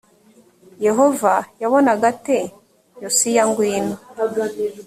yehova yabonaga ate yosiya ngwino